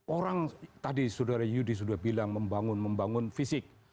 orang tadi sudah bilang membangun fisik